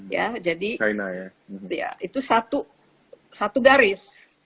ya jadi ya itu satu satu garis